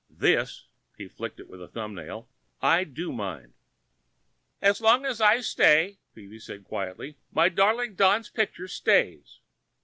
This," he flicked it with a thumbnail, "I do mind." "As long as I stay," Phoebe said quietly, "my darling Don's picture stays."